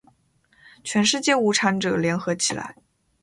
全世界无产者，联合起来！